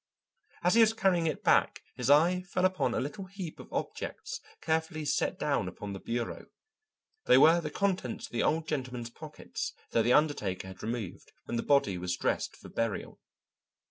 As he was carrying it back his eye fell upon a little heap of objects carefully set down upon the bureau. They were the contents of the Old Gentleman's pockets that the undertaker had removed when the body was dressed for burial.